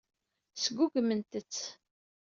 Sgugment-tt.